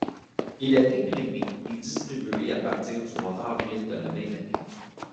Il est imprimé et distribué à partir du mois d’avril de la même année.